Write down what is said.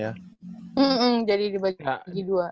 ya ya jadi dibagi dua